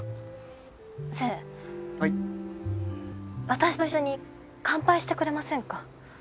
私と一緒に乾杯してくれませんか？